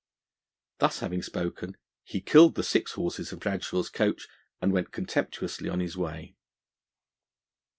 Thus having spoken, he killed the six horses of Bradshaw's coach, and went contemptuously on his way.